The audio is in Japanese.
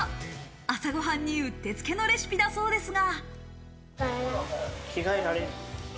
朝ごはんにうってつけのレシピだそうですが。